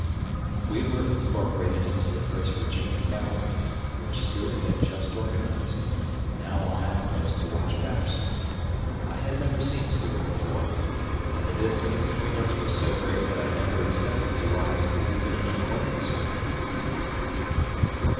We were incorporated into the First Virginia Cavalry, which Stuart had just organized, now on outpost to watch Patterson. I had never seen Stuart before, and the distance between us was so great that I never expected to rise to even an acquaintance with him.